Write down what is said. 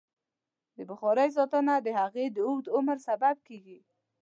د بخارۍ ساتنه د هغې د اوږد عمر سبب کېږي.